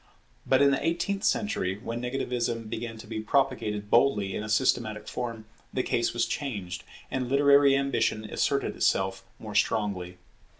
But in the eighteenth century, when negativism began to be propagated boldly in a systematic form, the case was changed, and literary ambition asserted itself more strongly.